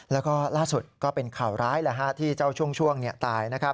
แล้วก็ล่าสุดก็เป็นข่าวร้ายที่เจ้าช่วงตายนะครับ